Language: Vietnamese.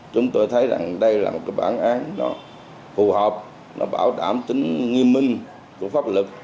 chúng tôi thấy rằng đây là một cái bản án nó phù hợp nó bảo đảm tính nghiêm minh của pháp lực